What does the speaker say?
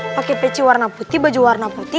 pakai peci warna putih baju warna putih